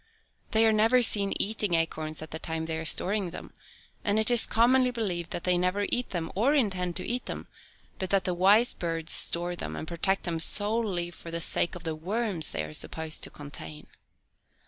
They are never seen eating acorns at the time they are storing them, and it is commonly believed that they never eat them or intend to eat them, but that the wise birds store them and protect them solely for the sake of the worms they are supposed to contain.